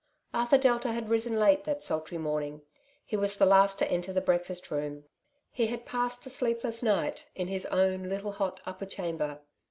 Arthur Delta had risen late that sultry morning ; he was the last to enter the breakfast room. He had passed a sleepless night in his own little hot upper chamber.